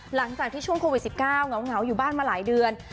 หลังจากที่ช่วงโควิด๑๙เหงาอยู่บ้านมาหลายเดือน